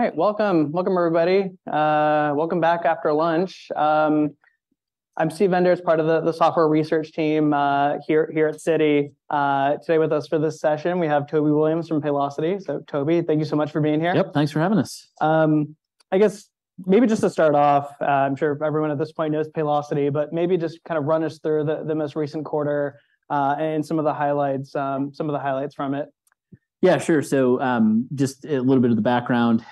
All right, welcome. Welcome, everybody. Welcome back after lunch. I'm Steven Enders, part of the software research team, here at Citi. Today with us for this session, we have Toby Williams from Paylocity. So Toby, thank you so much for being here. Yep, thanks for having us. I guess maybe just to start off, I'm sure everyone at this point knows Paylocity, but maybe just kind of run us through the most recent quarter, and some of the highlights from it. Yeah, sure. So, just a little bit of the background.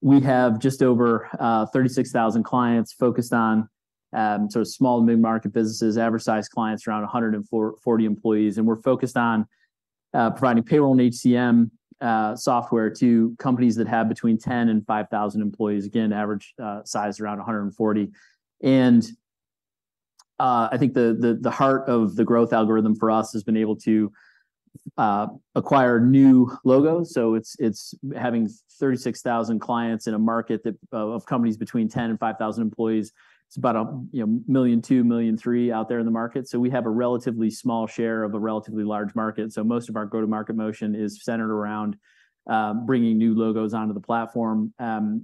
We have just over 36,000 clients focused on sort of small to mid-market businesses, average size clients around 140 employees. And we're focused on providing payroll and HCM software to companies that have between 10 and 5,000 employees. Again, average size around 140. And I think the heart of the growth algorithm for us has been able to acquire new logos. So it's having 36,000 clients in a market that of companies between 10 and 5,000 employees. It's about a, you know, 1.2 million, 1.3 million out there in the market. So we have a relatively small share of a relatively large market. Most of our go-to-market motion is centred around bringing new logos onto the platform.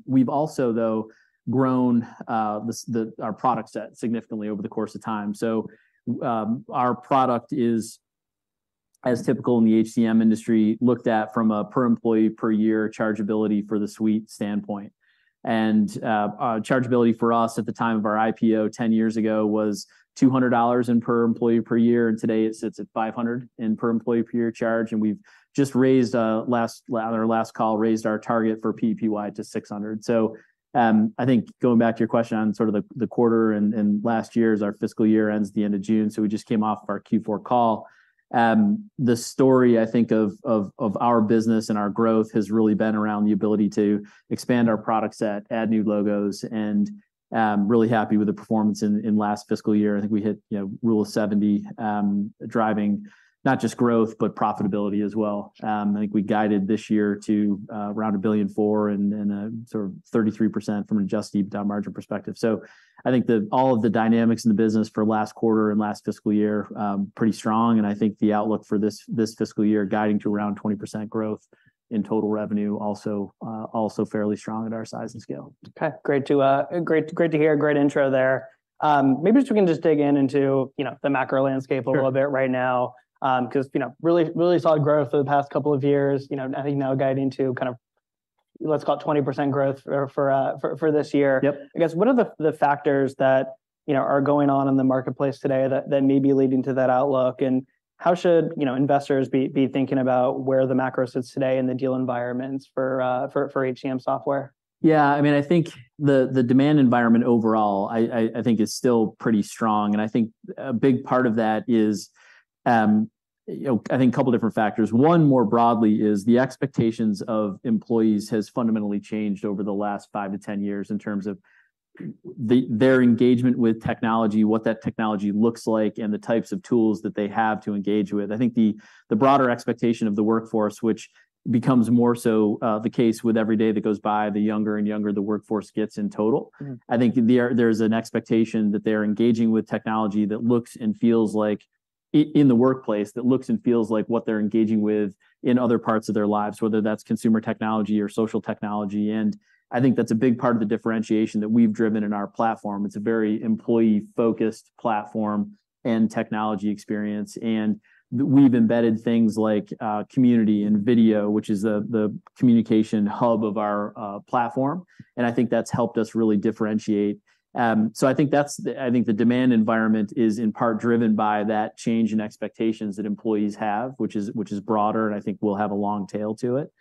We've also, though, grown the, the, our product set significantly over the course of time. Our product is, as typical in the HCM industry, looked at from a per employee per year chargeability for the suite standpoint. Our chargeability for us at the time of our IPO ten years ago was $200 in per employee per year, and today it sits at $500 in per employee per year charge. We've just raised, at our last call, raised our target for PPY to $600. I think going back to your question on sort of the quarter and last year, as our fiscal year ends the end of June, we just came off of our Q4 call. The story, I think, of our business and our growth has really been around the ability to expand our product set, add new logos, and really happy with the performance in last fiscal year. I think we hit, you know, Rule of 70, driving not just growth, but profitability as well. I think we guided this year to around $1.4 billion and sort of 33% from an Adjusted EBITDA margin perspective. So I think all of the dynamics in the business for last quarter and last fiscal year pretty strong, and I think the outlook for this fiscal year guiding to around 20% growth in total revenue also fairly strong at our size and scale. Okay, great to great, great to hear, great intro there. Maybe if we can just dig in into, you know, the macro landscape- Sure... a little bit right now. 'Cause, you know, really, really solid growth over the past couple of years. You know, I think now guiding to kind of, let's call it 20% growth for this year. Yep. I guess, what are the factors that, you know, are going on in the marketplace today that may be leading to that outlook? And how should, you know, investors be thinking about where the macro sits today in the deal environments for HCM software? Yeah, I mean, I think the demand environment overall, I think is still pretty strong. I think a big part of that is, you know, I think a couple different factors. One, more broadly, is the expectations of employees has fundamentally changed over the last 5-10 years in terms of their engagement with technology, what that technology looks like, and the types of tools that they have to engage with. I think the broader expectation of the workforce, which becomes more so, the case with every day that goes by, the younger and younger the workforce gets in total. Mm-hmm. I think there's an expectation that they're engaging with technology that looks and feels like in the workplace what they're engaging with in other parts of their lives, whether that's consumer technology or social technology. And I think that's a big part of the differentiation that we've driven in our platform. It's a very employee-focused platform and technology experience. And we've embedded things like Community and Video, which is the communication hub of our platform, and I think that's helped us really differentiate. So I think that's I think the demand environment is in part driven by that change in expectations that employees have, which is broader, and I think will have a long tail to it.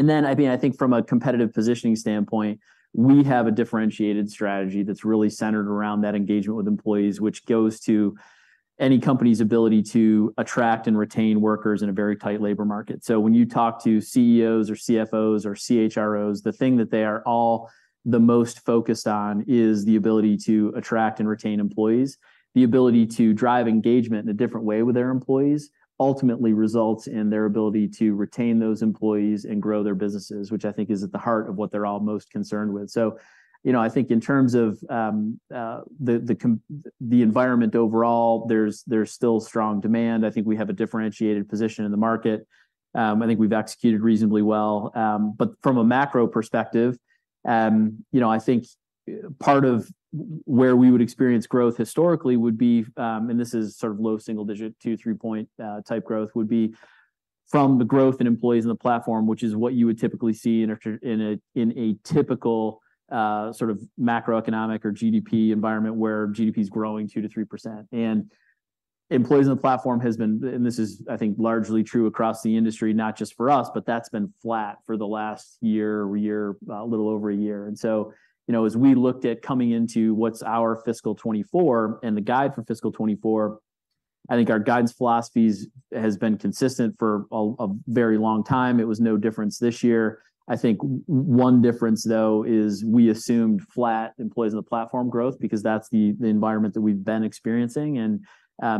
And then, I mean, I think from a competitive positioning standpoint, we have a differentiated strategy that's really centered around that engagement with employees, which goes to any company's ability to attract and retain workers in a very tight labor market. So when you talk to CEOs or CFOs, or CHROs, the thing that they are all the most focused on is the ability to attract and retain employees. The ability to drive engagement in a different way with their employees, ultimately results in their ability to retain those employees and grow their businesses, which I think is at the heart of what they're all most concerned with. So, you know, I think in terms of the environment overall, there's still strong demand. I think we have a differentiated position in the market. I think we've executed reasonably well. But from a macro perspective, you know, I think, part of where we would experience growth historically would be. And this is sort of low single digit, 2-3 point type growth, would be from the growth in employees in the platform, which is what you would typically see in a typical sort of macroeconomic or GDP environment, where GDP is growing 2%-3%. And employees in the platform has been, and this is, I think, largely true across the industry, not just for us, but that's been flat for the last year, little over a year. And so, you know, as we looked at coming into what's our fiscal 2024 and the guide for fiscal 2024, I think our guidance philosophies has been consistent for a very long time. It was no difference this year. I think one difference, though, is we assumed flat employees in the platform growth, because that's the environment that we've been experiencing. And,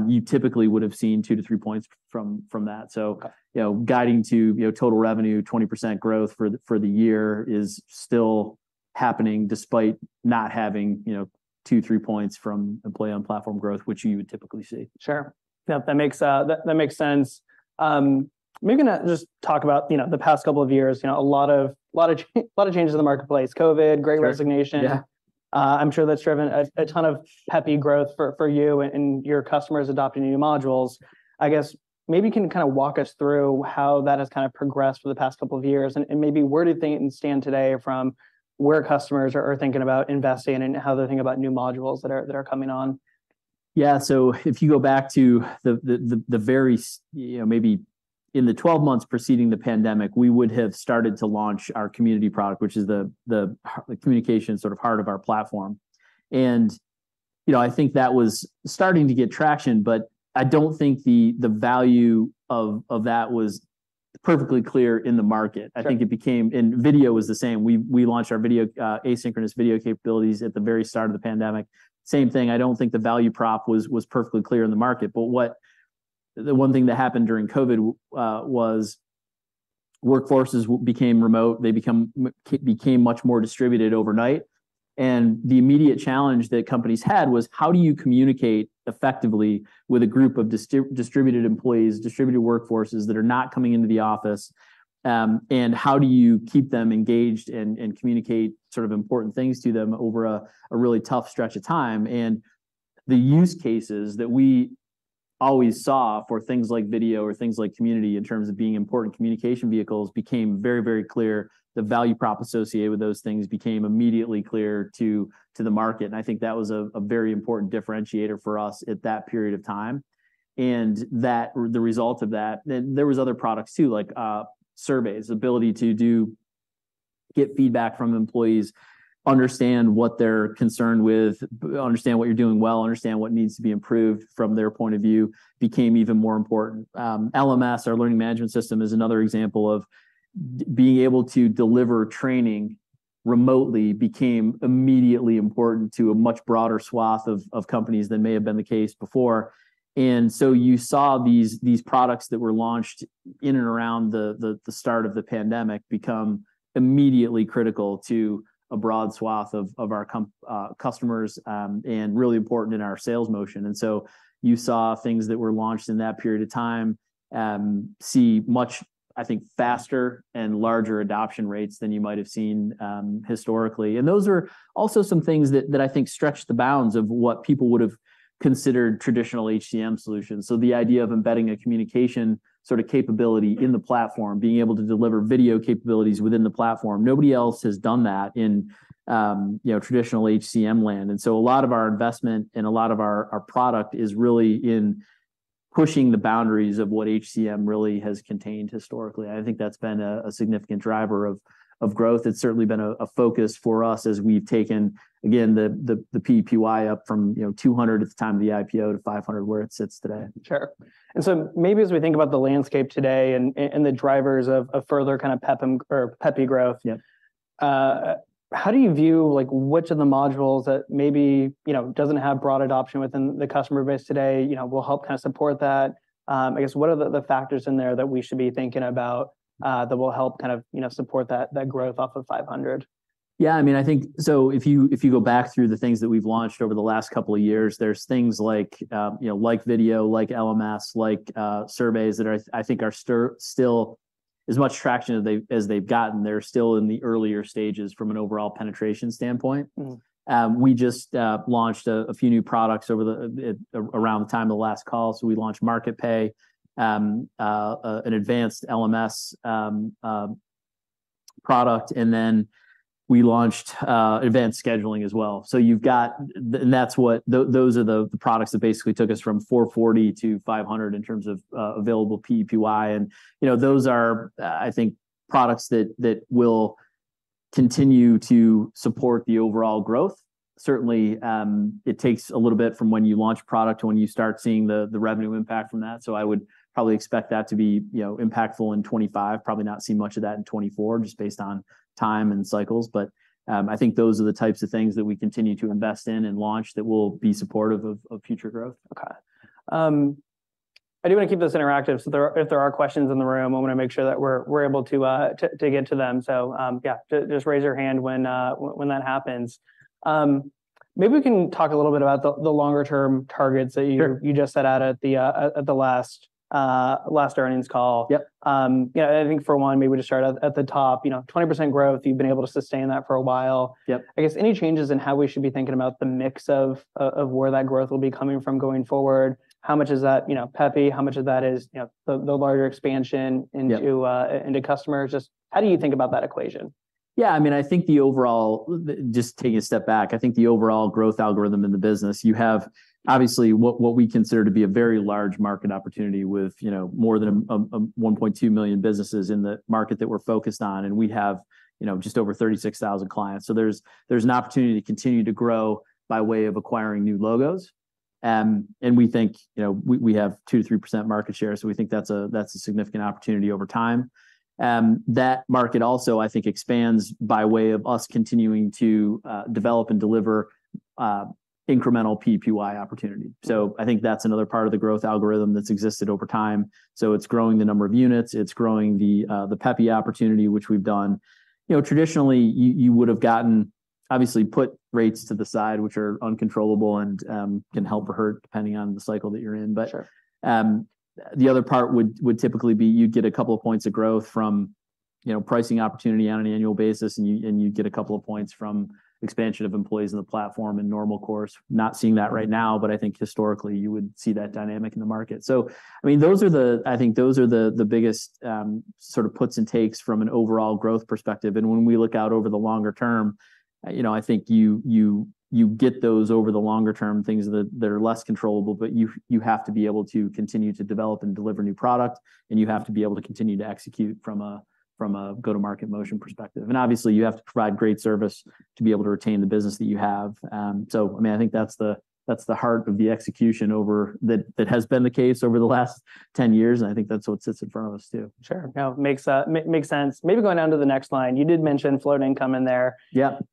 you typically would have seen 2-3 points from that. So- Okay... you know, guiding to, you know, total revenue 20% growth for the year is still happening despite not having, you know, 2-3 points from employee on platform growth, which you would typically see. Sure. Yep, that makes sense. Maybe now just talk about, you know, the past couple of years. You know, a lot of changes in the marketplace: COVID- Sure. Great Resignation. Yeah. I'm sure that's driven a ton of PEPY growth for you and your customers adopting new modules. I guess, maybe you can kind of walk us through how that has kind of progressed for the past couple of years, and maybe where do things stand today from where customers are thinking about investing and how they're thinking about new modules that are coming on? Yeah, so if you go back to the very, you know, maybe in the 12 months preceding the pandemic, we would have started to launch our Community product, which is the heart, the communication sort of heart of our platform. And, you know, I think that was starting to get traction, but I don't think the value of that was perfectly clear in the market. Sure. I think it became... And video was the same. We launched our video asynchronous video capabilities at the very start of the pandemic. Same thing, I don't think the value prop was perfectly clear in the market. But the one thing that happened during COVID was workforces became remote. They became much more distributed overnight. And the immediate challenge that companies had was: how do you communicate effectively with a group of distributed employees, distributed workforces that are not coming into the office? And how do you keep them engaged and communicate sort of important things to them over a really tough stretch of time? And the use cases that we always saw for things like video or things like community in terms of being important communication vehicles became very, very clear. The value prop associated with those things became immediately clear to the market, and I think that was a very important differentiator for us at that period of time. And that, the result of that... Then there was other products too, like, surveys, ability to get feedback from employees, understand what they're concerned with, understand what you're doing well, understand what needs to be improved from their point of view, became even more important. LMS, our learning management system, is another example of being able to deliver training remotely became immediately important to a much broader swath of companies than may have been the case before. And so, you saw these products that were launched in and around the start of the pandemic become immediately critical to a broad swath of our customers, and really important in our sales motion. And so, you saw things that were launched in that period of time see much faster and larger adoption rates than you might have seen historically. And those are also some things that I think stretched the bounds of what people would've considered traditional HCM solutions. So the idea of embedding a communication sort of capability in the platform, being able to deliver video capabilities within the platform, nobody else has done that in, you know, traditional HCM land. And so, a lot of our investment and a lot of our product is really in pushing the boundaries of what HCM really has contained historically, and I think that's been a significant driver of growth. It's certainly been a focus for us as we've taken, again, the PPY up from, you know, $200 at the time of the IPO to $500, where it sits today. Sure. And so, maybe as we think about the landscape today and the drivers of further kind of peppy growth- Yeah... how do you view, like, which of the modules that maybe, you know, doesn't have broad adoption within the customer base today, you know, will help kind of support that? I guess, what are the factors in there that we should be thinking about that will help kind of, you know, support that, that growth off of 500? Yeah, I mean, I think... So if you, if you go back through the things that we've launched over the last couple of years, there's things like, you know, like Video, like LMS, like surveys, that are, I think, still getting as much traction as they've gotten, they're still in the earlier stages from an overall penetration standpoint. Mm. We just launched a few new products around the time of the last call. So we launched Market Pay, an advanced LMS product, and then we launched event scheduling as well. So you've got the, and that's what those are the products that basically took us from 440 to 500 in terms of available PPY. And, you know, those are, I think, products that will continue to support the overall growth. Certainly, it takes a little bit from when you launch a product to when you start seeing the revenue impact from that. So I would probably expect that to be, you know, impactful in 2025, probably not see much of that in 2024, just based on time and cycles. But, I think those are the types of things that we continue to invest in and launch that will be supportive of future growth. Okay. I do want to keep this interactive, so if there are questions in the room, I want to make sure that we're able to get to them. So, yeah, just raise your hand when that happens. Maybe we can talk a little bit about the longer term targets that you- Sure... you just set out at the last earnings call. Yep. You know, I think for one, maybe to start at the top, you know, 20% growth, you've been able to sustain that for a while. Yep. I guess, any changes in how we should be thinking about the mix of, of where that growth will be coming from going forward? How much is that, you know, peppy? How much of that is, you know, the, the larger expansion- Yep... into, into customers? Just how do you think about that equation? Yeah, I mean, I think the overall, just taking a step back, I think the overall growth algorithm in the business. You have obviously what we consider to be a very large market opportunity with, you know, more than a 1.2 million businesses in the market that we're focused on, and we have, you know, just over 36,000 clients. So there's an opportunity to continue to grow by way of acquiring new logos. And we think, you know, we have 2%-3% market share, so we think that's a significant opportunity over time. That market also, I think, expands by way of us continuing to develop and deliver incremental PPY opportunity. So I think that's another part of the growth algorithm that's existed over time. So it's growing the number of units, it's growing the PEPY opportunity, which we've done. You know, traditionally, you would have gotten, obviously, put rates to the side, which are uncontrollable and can help or hurt, depending on the cycle that you're in. Sure. But, the other part would typically be you'd get a couple of points of growth from, you know, pricing opportunity on an annual basis, and you'd get a couple of points from expansion of employees in the platform in normal course. Not seeing that right now, but I think historically you would see that dynamic in the market. So, I mean, those are the—I think those are the biggest, sort of puts and takes from an overall growth perspective. And when we look out over the longer term, you know, I think you get those over the longer term, things that are less controllable. But you have to be able to continue to develop and deliver new product, and you have to be able to continue to execute from a go-to-market motion perspective. And obviously, you have to provide great service to be able to retain the business that you have. So I mean, I think that's the heart of the execution over that that has been the case over the last 10 years, and I think that's what sits in front of us, too. Sure. No, makes sense. Maybe going down to the next line, you did mention float income in there. Yep.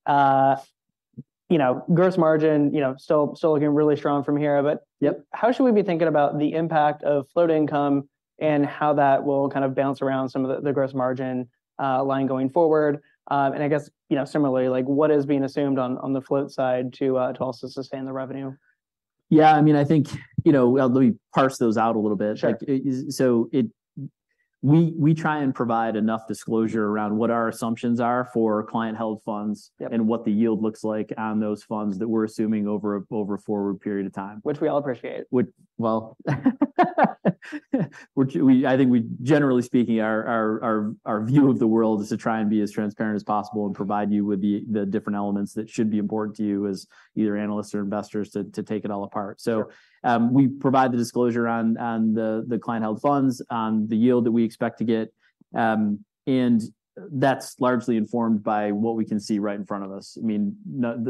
You know, gross margin, you know, still looking really strong from here, but- Yep... how should we be thinking about the impact of float income and how that will kind of bounce around some of the gross margin line going forward? And I guess, you know, similarly, like, what is being assumed on the float side to also sustain the revenue? Yeah, I mean, I think, you know, let me parse those out a little bit. Sure. So we try and provide enough disclosure around what our assumptions are for client-held funds. Yep... and what the yield looks like on those funds that we're assuming over a forward period of time. Which we all appreciate. Well, I think we, generally speaking, our view of the world is to try and be as transparent as possible and provide you with the different elements that should be important to you as either analysts or investors to take it all apart. Sure. So, we provide the disclosure on the client-held funds, on the yield that we expect to get, and that's largely informed by what we can see right in front of us. I mean,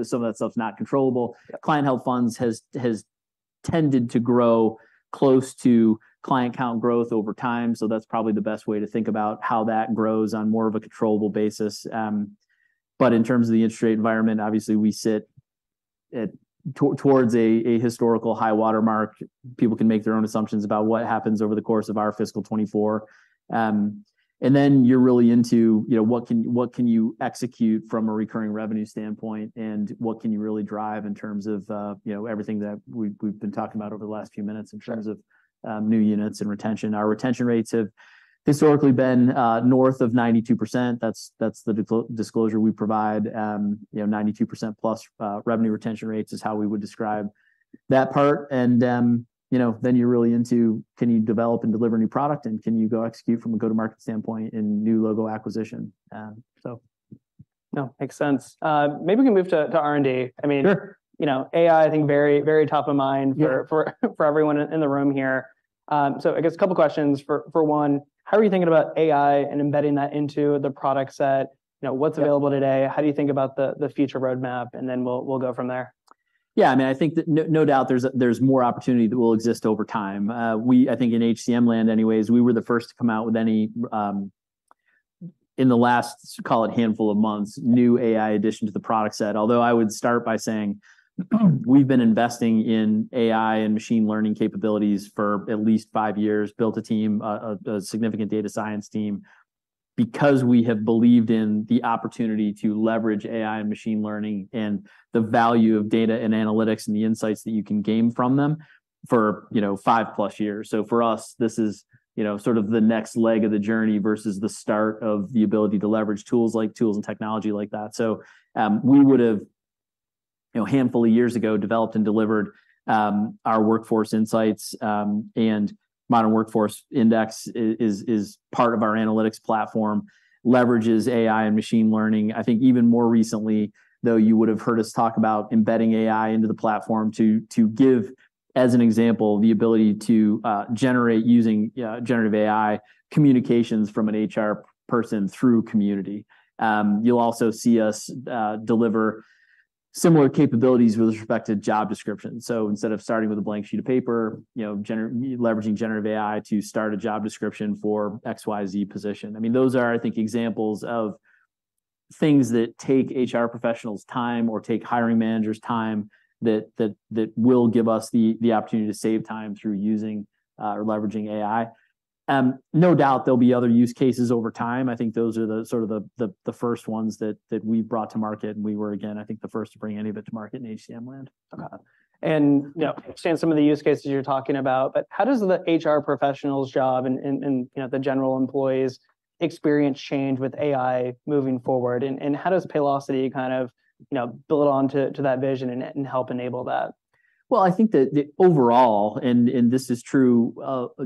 some of that stuff's not controllable. Yep. Client-Held Funds has tended to grow close to client count growth over time, so that's probably the best way to think about how that grows on more of a controllable basis. But in terms of the industry environment, obviously, we sit towards a historical high-water mark. People can make their own assumptions about what happens over the course of our fiscal 2024. And then you're really into, you know, what can you execute from a recurring revenue standpoint, and what can you really drive in terms of, you know, everything that we've been talking about over the last few minutes- Sure... in terms of new units and retention. Our retention rates have historically been north of 92%. That's the disclosure we provide. You know, 92% plus revenue retention rates is how we would describe that part. You know, then you're really into: Can you develop and deliver new product, and can you go execute from a go-to-market standpoint and new logo acquisition? So... No, makes sense. Maybe we can move to, to R&D. I mean- Sure... you know, AI, I think, very, very top of mind- Yep for everyone in the room here. So I guess a couple questions. For one, how are you thinking about AI and embedding that into the product set? You know, what's- Yep... available today? How do you think about the future roadmap, and then we'll go from there. Yeah, I mean, I think that no, no doubt there's, there's more opportunity that will exist over time. We, I think in HCM land anyways, we were the first to come out with any, in the last, call it handful of months, new AI addition to the product set. Although I would start by saying, we've been investing in AI and machine learning capabilities for at least 5 years, built a team, a significant data science team, because we have believed in the opportunity to leverage AI and machine learning and the value of data and analytics and the insights that you can gain from them for, you know, 5+ years. So for us, this is, you know, sort of the next leg of the journey versus the start of the ability to leverage tools, like tools and technology like that. So, we would've, you know, a handful of years ago, developed and delivered our Workforce Insights, and Modern Workforce Index is part of our analytics platform, leverages AI and machine learning. I think even more recently, though, you would have heard us talk about embedding AI into the platform to give, as an example, the ability to generate using generative AI communications from an HR person through Community. You'll also see us deliver similar capabilities with respect to job descriptions. So instead of starting with a blank sheet of paper, you know, leveraging generative AI to start a job description for XYZ position. I mean, those are, I think, examples of things that take HR professionals time or take hiring managers time, that will give us the opportunity to save time through using or leveraging AI. No doubt there'll be other use cases over time. I think those are the sort of the first ones that we brought to market, and we were, again, I think, the first to bring any of it to market in HCM land. Okay. And, you know, understand some of the use cases you're talking about, but how does the HR professional's job and, you know, the general employee's experience change with AI moving forward, and how does Paylocity kind of, you know, build on to that vision and help enable that? Well, I think that the overall, and this is true,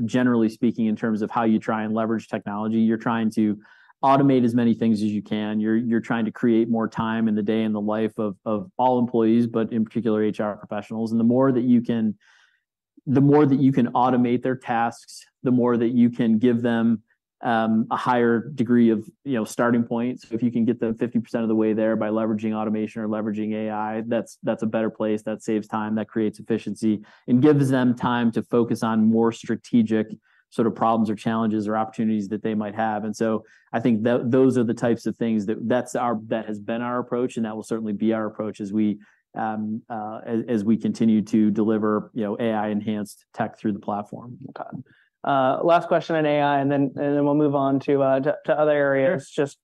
generally speaking, in terms of how you try and leverage technology, you're trying to automate as many things as you can. You're trying to create more time in the day in the life of all employees, but in particular, HR professionals. The more that you can automate their tasks, the more that you can give them a higher degree of, you know, starting point. So if you can get them 50% of the way there by leveraging automation or leveraging AI, that's a better place. That saves time, that creates efficiency, and gives them time to focus on more strategic sort of problems or challenges or opportunities that they might have. And so I think those are the types of things. That's our approach, and that has been our approach, and that will certainly be our approach as we continue to deliver, you know, AI-enhanced tech through the platform. Okay. Last question on AI, and then we'll move on to other areas. Sure. Just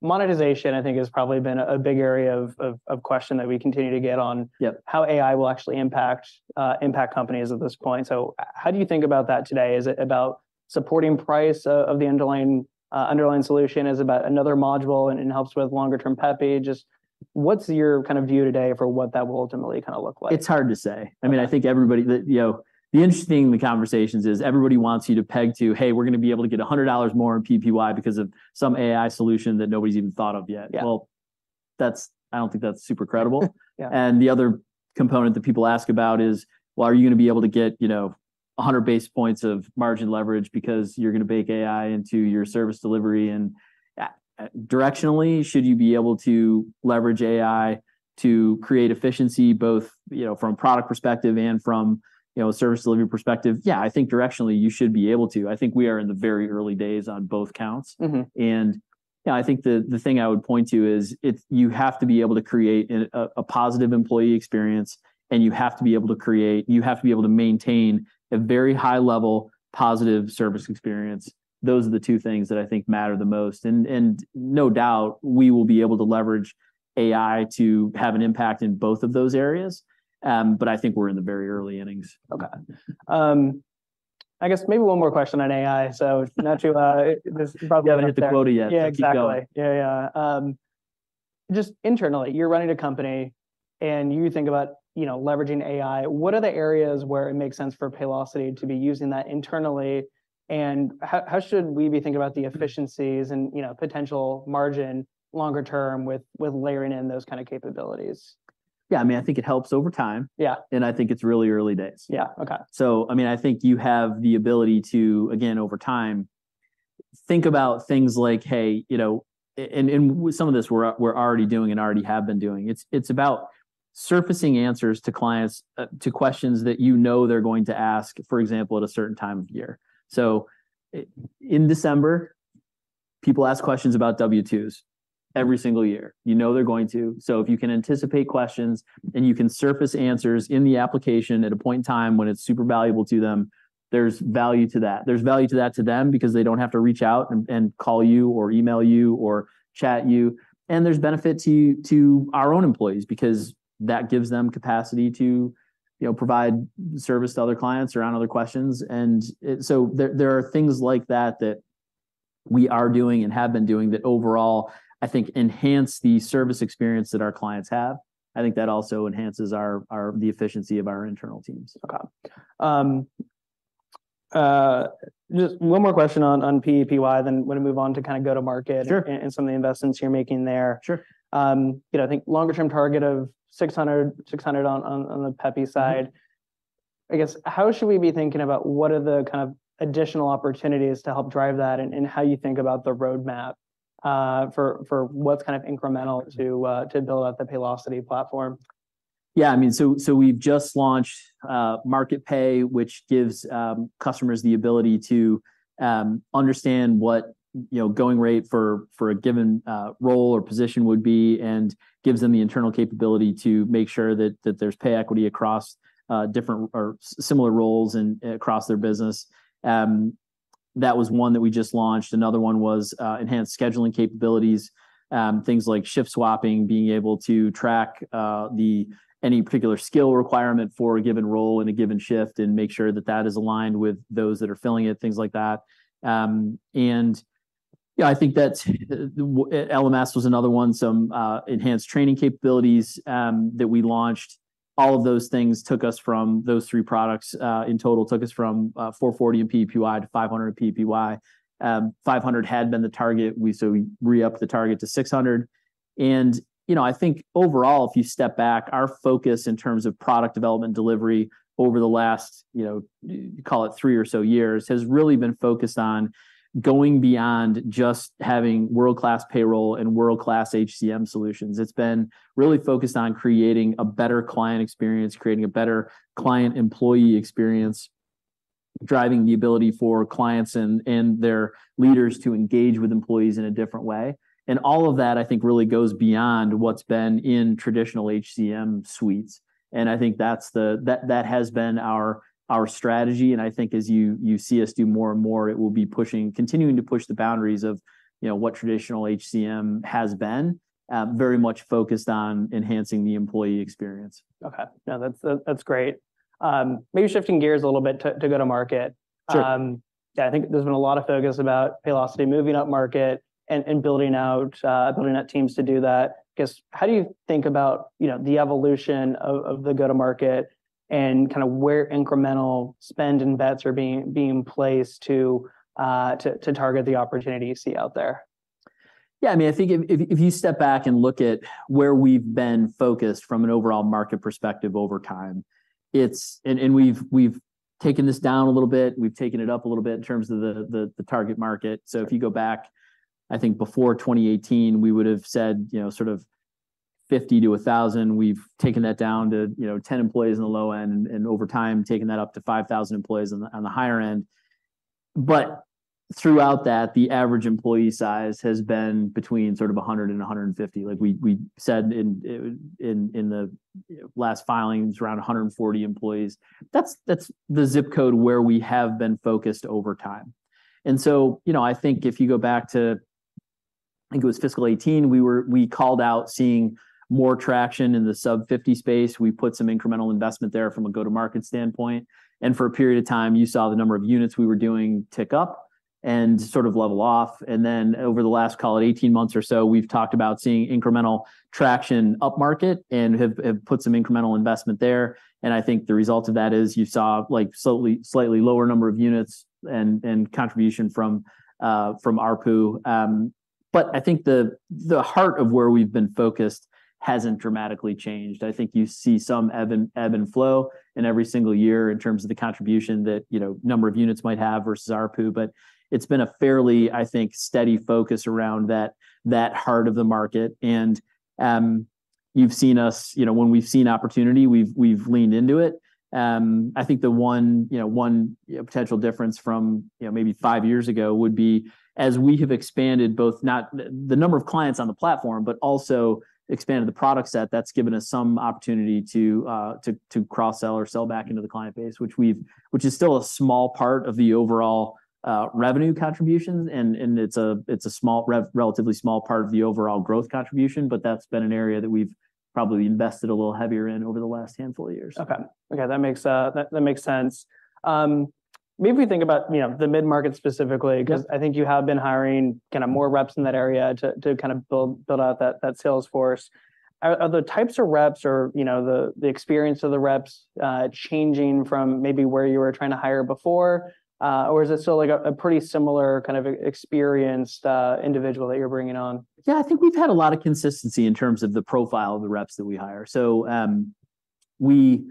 monetization, I think, has probably been a big area of question that we continue to get on- Yep... how AI will actually impact, impact companies at this point. So how do you think about that today? Is it about supporting pricing of the underlying, underlying solution? Is it about another module, and it helps with longer-term PEPY? Just what's your kind of view today for what that will ultimately kind of look like? It's hard to say. Okay. I mean, I think everybody that, you know... The interesting conversations is everybody wants you to peg to, "Hey, we're going to be able to get $100 more in PPY because of some AI solution that nobody's even thought of yet. Yeah. Well, I don't think that's super credible. Yeah. The other component that people ask about is, "Well, are you going to be able to get, you know, 100 basis points of margin leverage because you're going to bake AI into your service delivery?" And, directionally, should you be able to leverage AI to create efficiency, both, you know, from a product perspective and from, you know, a service delivery perspective? Yeah, I think directionally you should be able to. I think we are in the very early days on both counts. Mm-hmm. And I think the thing I would point to is, it's you have to be able to create a positive employee experience, and you have to be able to create you have to be able to maintain a very high-level, positive service experience. Those are the two things that I think matter the most. And no doubt, we will be able to leverage AI to have an impact in both of those areas, but I think we're in the very early innings. Okay. I guess maybe one more question on AI. So not to, this is probably- You haven't hit the quota yet. Yeah, exactly. So keep going. Yeah, yeah. Just internally, you're running a company, and you think about, you know, leveraging AI. What are the areas where it makes sense for Paylocity to be using that internally, and how, how should we be thinking about the efficiencies and, you know, potential margin longer term with, with layering in those kind of capabilities? Yeah, I mean, I think it helps over time. Yeah. I think it's really early days. Yeah. Okay. So, I mean, I think you have the ability to, again, over time, think about things like, hey, you know... and some of this we're already doing and already have been doing. It's about surfacing answers to clients to questions that you know they're going to ask, for example, at a certain time of year. So, in December, people ask questions about W-2s every single year. You know they're going to. So if you can anticipate questions, and you can surface answers in the application at a point in time when it's super valuable to them, there's value to that. There's value to that to them because they don't have to reach out and call you or email you or chat you. There's benefit to our own employees because that gives them capacity to, you know, provide service to other clients around other questions, and so there are things like that that we are doing and have been doing that overall, I think, enhance the service experience that our clients have. I think that also enhances the efficiency of our internal teams. Okay. Just one more question on PPY, then I'm going to move on to kind of go-to-market- Sure... and some of the investments you're making there. Sure. You know, I think longer-term target of $600 on the PEPY side. Mm-hmm. I guess, how should we be thinking about what are the kind of additional opportunities to help drive that, and how you think about the roadmap, for what's kind of incremental to build out the Paylocity platform? Yeah, I mean, so we've just launched Market Pay, which gives customers the ability to understand what, you know, going rate for a given role or position would be and gives them the internal capability to make sure that there's pay equity across different or similar roles and across their business. That was one that we just launched. Another one was enhanced scheduling capabilities, things like shift swapping, being able to track any particular skill requirement for a given role in a given shift, and make sure that that is aligned with those that are filling it, things like that. And yeah, I think that's... LMS was another one, some enhanced training capabilities that we launched. All of those things took us from, those three products, in total, took us from, 440 in PPY to $500 PPY. $500 had been the target. So we re-upped the target to $600, and, you know, I think overall, if you step back, our focus in terms of product development delivery over the last, you know, call it three or so years, has really been focused on going beyond just having world-class payroll and world-class HCM solutions. It's been really focused on creating a better client experience, creating a better client-employee experience, driving the ability for clients and, and their leaders to engage with employees in a different way. And all of that, I think, really goes beyond what's been in traditional HCM suites, and I think that's that has been our strategy, and I think as you see us do more and more, it will be continuing to push the boundaries of, you know, what traditional HCM has been very much focused on enhancing the employee experience. Okay. Now, that's great. Maybe shifting gears a little bit to go-to-market. Sure. Yeah, I think there's been a lot of focus about Paylocity moving up market and building out teams to do that. I guess, how do you think about, you know, the evolution of the go-to-market and kind of where incremental spend and bets are being placed to target the opportunity you see out there? Yeah, I mean, I think if you step back and look at where we've been focused from an overall market perspective over time, it's- We've taken this down a little bit, we've taken it up a little bit in terms of the target market. If you go back, I think before 2018, we would've said, you know, sort of 50 to 1,000. We've taken that down to, you know, 10 employees on the low end, and over time, taking that up to 5,000 employees on the higher end. Throughout that, the average employee size has been between sort of 100 and 150. Like we said in the last filings, around 140 employees. That's the zip code where we have been focused over time. So, you know, I think if you go back to, I think it was fiscal 2018, we called out seeing more traction in the sub-50 space. We put some incremental investment there from a go-to-market standpoint. And for a period of time, you saw the number of units we were doing tick up and sort of level off. And then, over the last, call it 18 months or so, we've talked about seeing incremental traction upmarket, and have put some incremental investment there. And I think the result of that is you saw, like, slightly lower number of units and contribution from ARPU. But I think the heart of where we've been focused hasn't dramatically changed. I think you see some ebb and flow in every single year in terms of the contribution that, you know, number of units might have versus ARPU, but it's been a fairly, I think, steady focus around that heart of the market. You've seen us. You know, when we've seen opportunity, we've leaned into it. I think the one, you know, potential difference from, you know, maybe five years ago would be, as we have expanded both not the number of clients on the platform, but also expanded the product set, that's given us some opportunity to cross-sell or sell back into the client base, which is still a small part of the overall revenue contributions. It's a relatively small part of the overall growth contribution, but that's been an area that we've probably invested a little heavier in over the last handful of years. Okay. Okay, that makes sense. Maybe if we think about, you know, the mid-market specifically- Yeah... 'cause I think you have been hiring kinda more reps in that area to kind of build out that sales force. Are the types of reps or, you know, the experience of the reps changing from maybe where you were trying to hire before? Or is it still, like, a pretty similar kind of experienced individual that you're bringing on? Yeah, I think we've had a lot of consistency in terms of the profile of the reps that we hire. So, we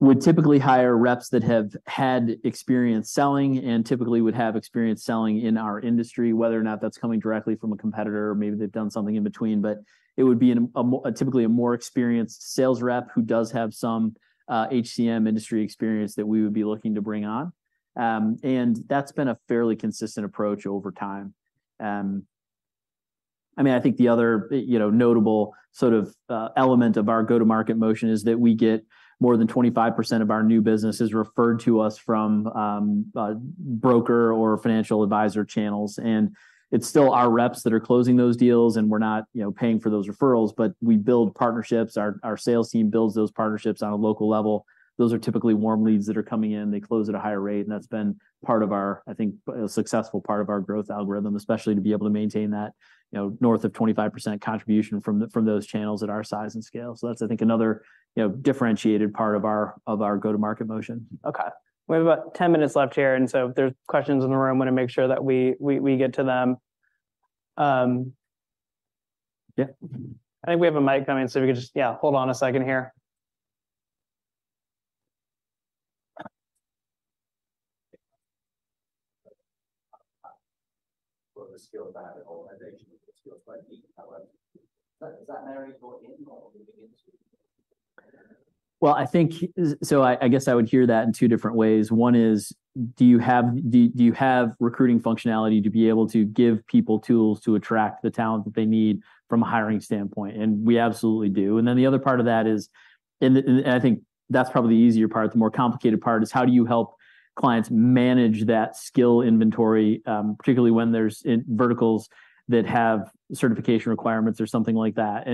would typically hire reps that have had experience selling, and typically would have experience selling in our industry, whether or not that's coming directly from a competitor, or maybe they've done something in between. But it would be a more- typically, a more experienced sales rep who does have some HCM industry experience that we would be looking to bring on. And that's been a fairly consistent approach over time. I mean, I think the other, you know, notable sort of element of our go-to-market motion is that we get more than 25% of our new business is referred to us from a broker or financial advisor channels. It's still our reps that are closing those deals, and we're not, you know, paying for those referrals, but we build partnerships. Our sales team builds those partnerships on a local level. Those are typically warm leads that are coming in. They close at a higher rate, and that's been part of our, I think, successful part of our growth algorithm, especially to be able to maintain that, you know, north of 25% contribution from those channels at our size and scale. So that's, I think, another, you know, differentiated part of our go-to-market motion. Okay. We have about 10 minutes left here, and so if there's questions in the room, want to make sure that we get to them. Yeah. I think we have a mic coming, so if you could just, yeah, hold on a second here. Well, the skill of that at all, and actually, the skill is quite deep. However, does that vary for in-role or beginning to? Well, I think, so I guess I would hear that in two different ways. One is, do you have recruiting functionality to be able to give people tools to attract the talent that they need from a hiring standpoint? And we absolutely do. And then the other part of that is, I think that's probably the easier part. The more complicated part is how do you help clients manage that skill inventory, particularly when there's verticals that have certification requirements or something like that.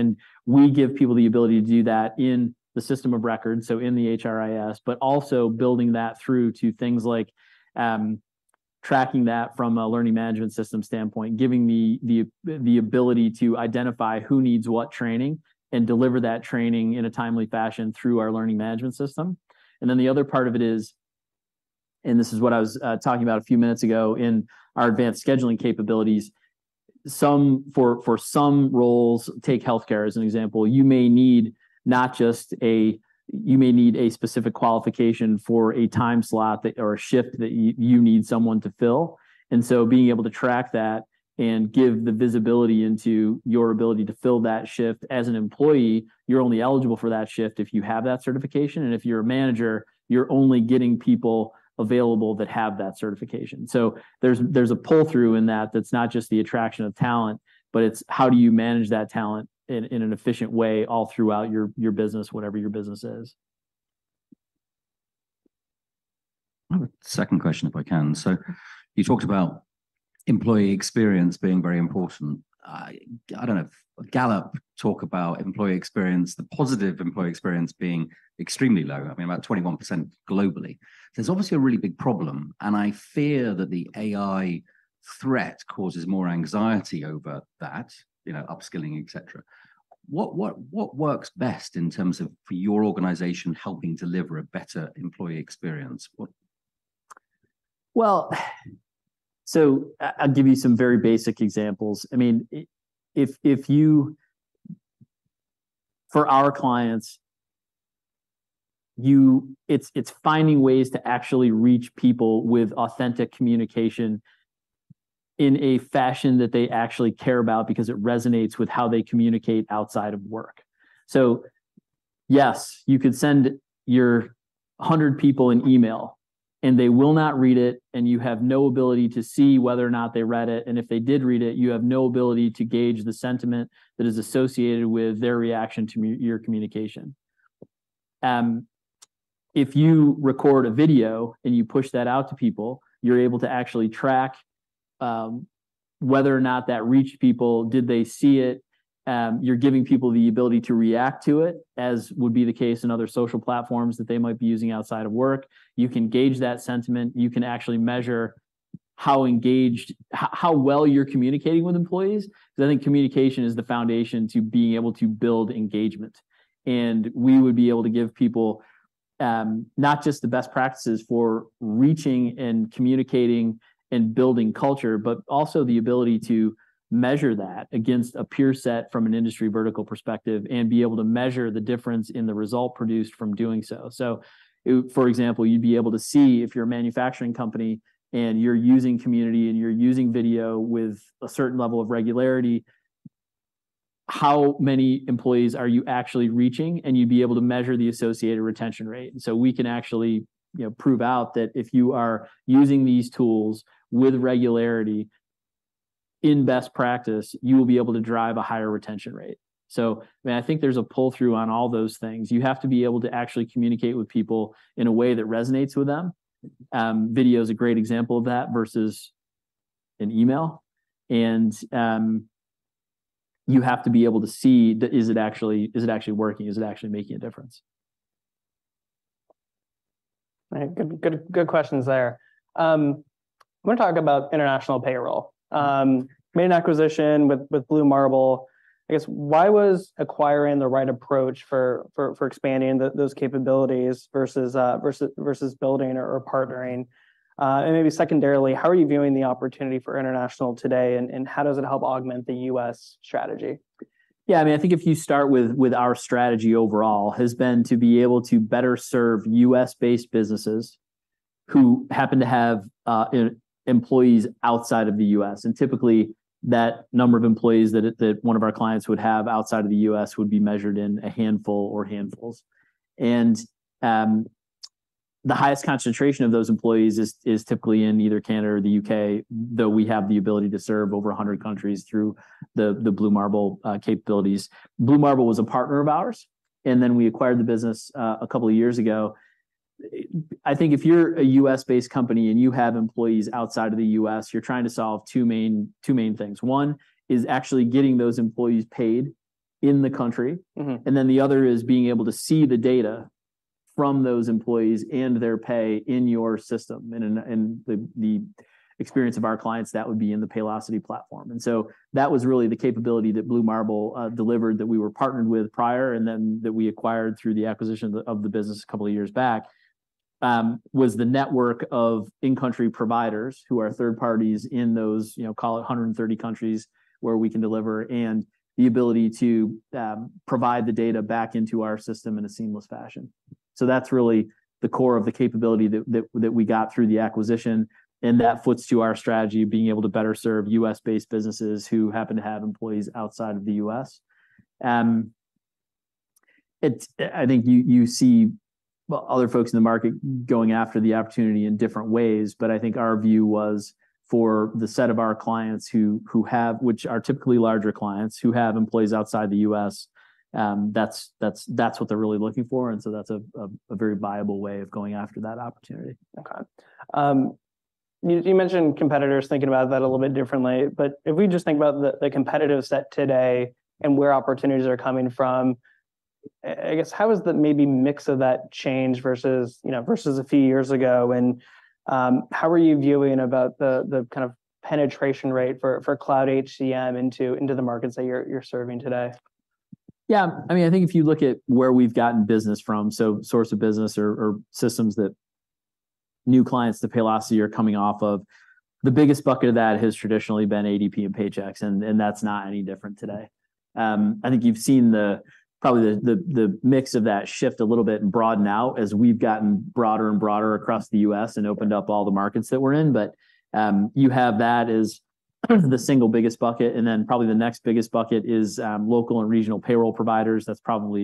We give people the ability to do that in the system of record, so in the HRIS, but also building that through to things like tracking that from a learning management system standpoint, giving the ability to identify who needs what training, and deliver that training in a timely fashion through our learning management system. And then the other part of it is, and this is what I was talking about a few minutes ago, in our advanced scheduling capabilities. For some roles, take healthcare as an example, you may need not just you may need a specific qualification for a time slot that or a shift that you need someone to fill. And so being able to track that and give the visibility into your ability to fill that shift. As an employee, you're only eligible for that shift if you have that certification, and if you're a manager, you're only getting people available that have that certification. So there's a pull-through in that that's not just the attraction of talent, but it's how do you manage that talent in an efficient way all throughout your business, whatever your business is? I have a second question, if I can. So you talked about employee experience being very important. I don't know, Gallup talk about employee experience, the positive employee experience being extremely low, I mean, about 21% globally. There's obviously a really big problem, and I fear that the AI threat causes more anxiety over that, you know, upskilling, et cetera. What, what, what works best in terms of, for your organization, helping deliver a better employee experience? What- Well, I'll give you some very basic examples. I mean, if, if you—for our clients, you, it's, it's finding ways to actually reach people with authentic communication in a fashion that they actually care about because it resonates with how they communicate outside of work. Yes, you could send your 100 people an email, and they will not read it, and you have no ability to see whether or not they read it, and if they did read it, you have no ability to gauge the sentiment that is associated with their reaction to your communication. If you record a video and you push that out to people, you're able to actually track whether or not that reached people. Did they see it? You're giving people the ability to react to it, as would be the case in other social platforms that they might be using outside of work. You can gauge that sentiment. You can actually measure how engaged, how well you're communicating with employees, because I think communication is the foundation to being able to build engagement. And we would be able to give people, not just the best practices for reaching and communicating and building culture, but also the ability to measure that against a peer set from an industry vertical perspective, and be able to measure the difference in the result produced from doing so. So, for example, you'd be able to see if you're a manufacturing company and you're using Community, and you're using Video with a certain level of regularity, how many employees are you actually reaching? You'd be able to measure the associated retention rate. We can actually, you know, prove out that if you are using these tools with regularity, in best practice, you will be able to drive a higher retention rate. So, I mean, I think there's a pull-through on all those things. You have to be able to actually communicate with people in a way that resonates with them. Video is a great example of that versus an email. And you have to be able to see, does it actually... is it actually working? Is it actually making a difference? Right. Good, good, good questions there. I want to talk about international payroll. Made an acquisition with Blue Marble. I guess, why was acquiring the right approach for expanding those capabilities versus building or partnering? And maybe secondarily, how are you viewing the opportunity for international today, and how does it help augment the U.S. strategy? Yeah, I mean, I think if you start with, with our strategy overall, has been to be able to better serve U.S.-based businesses who happen to have, employees outside of the U.S. And typically, that number of employees that, that one of our clients would have outside of the U.S. would be measured in a handful or handfuls. And, the highest concentration of those employees is, is typically in either Canada or the U.K., though we have the ability to serve over a hundred countries through the, the Blue Marble capabilities. Blue Marble was a partner of ours, and then we acquired the business, a couple of years ago. I think if you're a U.S.-based company and you have employees outside of the U.S., you're trying to solve two main, two main things. One, is actually getting those employees paid in the country. Mm-hmm. And then the other is being able to see the data from those employees and their pay in your system. And in the experience of our clients, that would be in the Paylocity platform. And so that was really the capability that Blue Marble delivered, that we were partnered with prior, and then that we acquired through the acquisition of the business a couple of years back, was the network of in-country providers who are third parties in those, you know, call it 130 countries, where we can deliver, and the ability to provide the data back into our system in a seamless fashion. So that's really the core of the capability that we got through the acquisition, and that fits to our strategy, being able to better serve U.S.-based businesses who happen to have employees outside of the U.S. It's – I think you see, well, other folks in the market going after the opportunity in different ways. But I think our view was for the set of our clients who have – which are typically larger clients, who have employees outside of the U.S., that's what they're really looking for, and so that's a very viable way of going after that opportunity. Okay. You mentioned competitors thinking about that a little bit differently, but if we just think about the competitive set today and where opportunities are coming from, I guess, how has the maybe mix of that changed versus, you know, a few years ago? And, how are you viewing about the kind of penetration rate for cloud HCM into the markets that you're serving today? Yeah. I mean, I think if you look at where we've gotten business from, so source of business or systems that new clients to Paylocity are coming off of, the biggest bucket of that has traditionally been ADP and Paychex, and that's not any different today. I think you've seen probably the mix of that shift a little bit and broaden out as we've gotten broader and broader across the U.S. and opened up all the markets that we're in. But you have that as the single biggest bucket, and then probably the next biggest bucket is local and regional payroll providers. That's probably,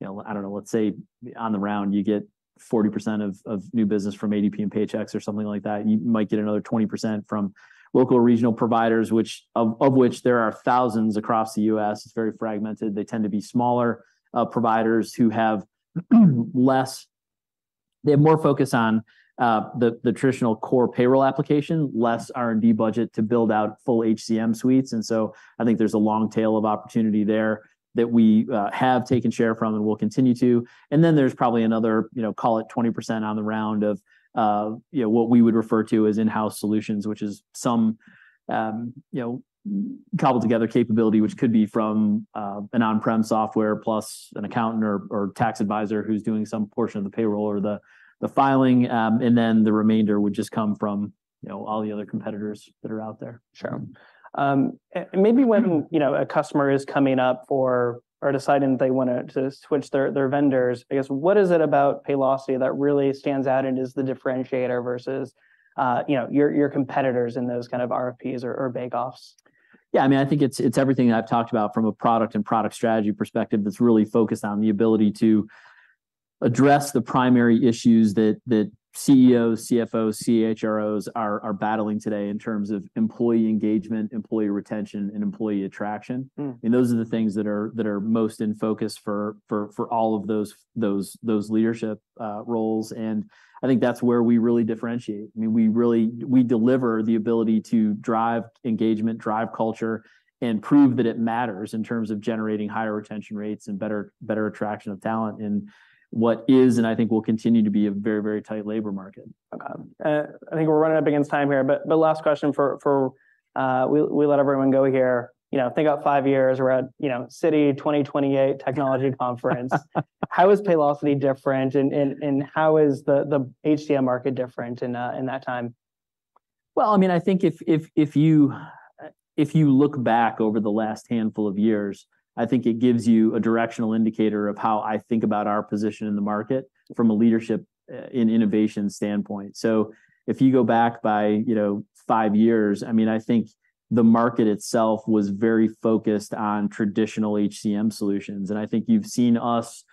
you know, I don't know, let's say, around, you get 40% of new business from ADP and Paychex or something like that. You might get another 20% from local or regional providers, which... of which there are thousands across the U.S. It's very fragmented. They tend to be smaller providers who have less—they have more focus on the traditional core payroll application, less R&D budget to build out full HCM suites. And so I think there's a long tail of opportunity there that we have taken share from and will continue to. And then there's probably another, you know, call it 20% around, you know, what we would refer to as in-house solutions, which is some, you know, cobbled together capability, which could be from an on-prem software plus an accountant or tax advisor who's doing some portion of the payroll or the filing. And then the remainder would just come from, you know, all the other competitors that are out there. Sure. And maybe when, you know, a customer is coming up for or deciding they want to switch their vendors, I guess, what is it about Paylocity that really stands out and is the differentiator versus, you know, your competitors in those kind of RFPs or bake-offs? Yeah, I mean, I think it's, it's everything I've talked about from a product and product strategy perspective that's really focused on the ability to address the primary issues that, that CEOs, CFOs, CHROs are, are battling today in terms of employee engagement, employee retention, and employee attraction. Mm. Those are the things that are most in focus for all of those leadership roles. I think that's where we really differentiate. I mean, we really... We deliver the ability to drive engagement, drive culture, and prove that it matters in terms of generating higher retention rates and better attraction of talent in what is, and I think will continue to be, a very, very tight labor market. Okay. I think we're running up against time here, but last question for... We let everyone go here. You know, think about five years, we're at, you know, Citi 2028 Technology Conference. How is Paylocity different, and how is the HCM market different in that time? Well, I mean, I think if you look back over the last handful of years, I think it gives you a directional indicator of how I think about our position in the market from a leadership and innovation standpoint. So if you go back, you know, five years, I mean, I think the market itself was very focused on traditional HCM solutions. And I think you've seen us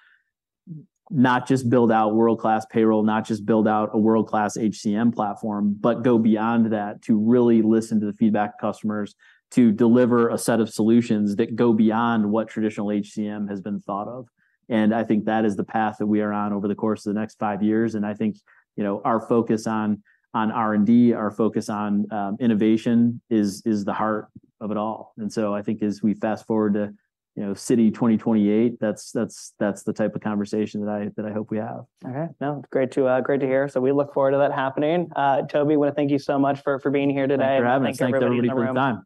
not just build out world-class payroll, not just build out a world-class HCM platform, but go beyond that to really listen to the feedback of customers, to deliver a set of solutions that go beyond what traditional HCM has been thought of. And I think that is the path that we are on over the course of the next five years. I think, you know, our focus on R&D, our focus on innovation, is the heart of it all. And so I think as we fast-forward to, you know, Citi 2028, that's the type of conversation that I hope we have. Okay. No, great to hear. So we look forward to that happening. Toby, I want to thank you so much for being here today. Thank you for having us. Thank you to everybody in the room. Thank you, everybody, for the time.